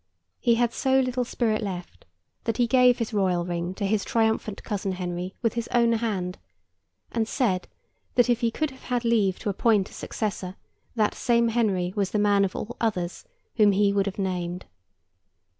He had so little spirit left that he gave his royal ring to his triumphant cousin Henry with his own hand, and said, that if he could have had leave to appoint a successor, that same Henry was the man of all others whom he would have named.